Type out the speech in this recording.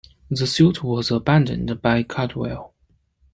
The suit was abandoned by Caldwell.